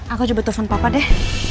aku coba telepon papa deh